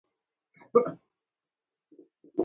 ایا زما اوریدل به ښه شي؟